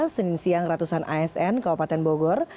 senin siang ratusan asn kabupaten bogor